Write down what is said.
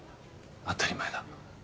当たり前だ。